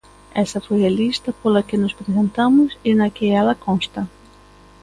Esa foi a lista pola que nos presentamos e na que ela consta.